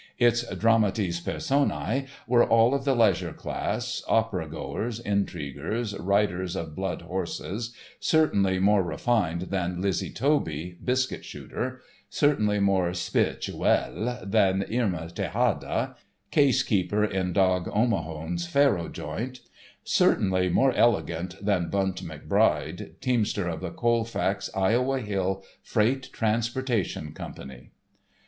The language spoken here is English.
Its dramatis personae were all of the leisure class, opera goers, intriguers, riders of blood horses, certainly more refined than Lizzie Toby, biscuit shooter, certainly more spirituelle than Irma Tejada, case keeper in Dog Omahone's faro joint, certainly more elegant than Bunt McBride, teamster of the Colfax Iowa Hill Freight Transportation Company.